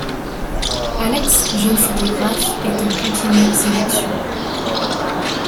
Alex, jeune photographe, est en continuelle séduction.